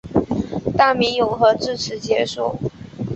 大明永和至此结束。